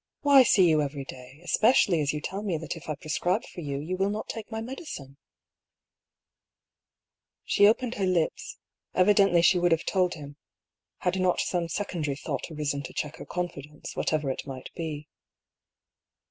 " Why see you every day, espe cially as you tell me that if I prescribe for you, you will not take my medicine ?" She opened her lips ; evidently she would have told 208 I>R. PAULL'S THEORY. him — ^had not some secondary thought arisen to check her confidence, whatever it might be.